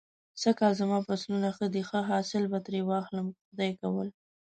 سږ کال زما فصلونه ښه دی. ښه حاصل به ترې واخلم که خدای کول.